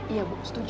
iya bu setuju